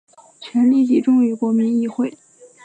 权力集中于国民议会。